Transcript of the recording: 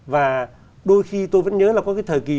và đôi khi tôi vẫn nhớ là có cái thời kỳ